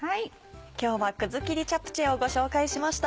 今日は「くずきりチャプチェ」をご紹介しました。